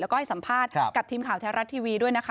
แล้วก็ให้สัมภาษณ์กับทีมข่าวแท้รัฐทีวีด้วยนะคะ